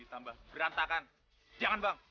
iya besok kita ke jakarta